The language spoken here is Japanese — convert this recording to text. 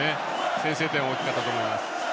先制点、大きかったと思います。